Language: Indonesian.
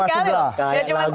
bang ruhud enggak cuma sekali